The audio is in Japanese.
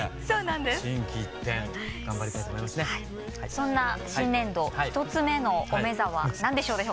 そんな新年度１つ目の「おめざ」は何でしょうか？